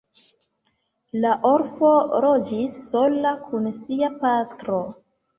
La orfo loĝis sola kun sia patro.